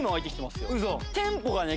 テンポがね